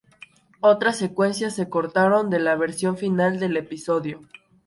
Otras secuencias se cortaron de la versión final del episodio.